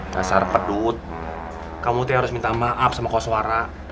basar pedut kamu tuh harus minta maaf sama koswara